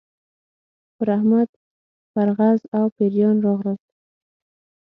پر احمد پرغز او پېریان راغلل.